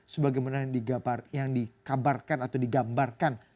sebagai menarik yang digabarkan atau digambarkan